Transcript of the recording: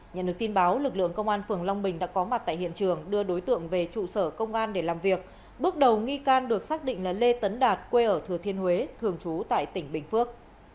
nhận được tin báo lực lượng công an phường long bình đã có mặt tại hiện trường đưa đối tượng về trụ sở công an để làm việc bước đầu nghi can được xác định là lê tấn đạt quê ở thừa thiên huế thường trú tại tỉnh bình phước